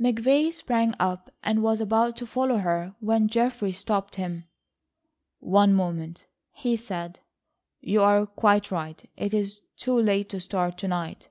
McVay sprang up and was about to follow her when Geoffrey stopped him. "One moment," he said, "you are quite right. It is too late to start to night.